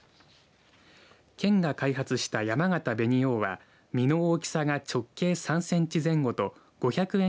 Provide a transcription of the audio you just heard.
県が開発したやまがた紅王は実の大きさが直径３センチ前後と５００円